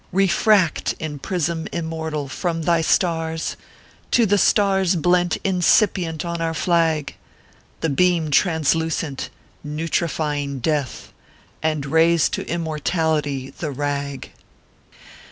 Refract, in prism immortal, from thy stars To the stars blent incipient on our flag, The beam translucent, neutrifying death ; And raise to immortality the rag.